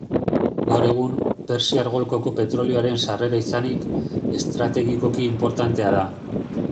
Gaur egun, Persiar golkoko petrolioaren sarrera izanik, estrategikoki inportantea da.